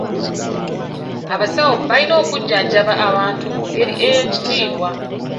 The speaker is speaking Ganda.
Abasawo balina okujjanjaba abantu mu ngeri ey'ekitiibwa.